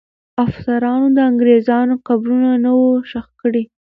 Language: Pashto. افسرانو د انګریزانو قبرونه نه وو ښخ کړي.